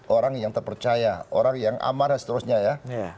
orang yang terpercaya orang yang amarah dan seterusnya ya